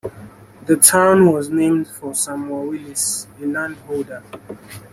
The town was named for Samuel Willis, a landholder.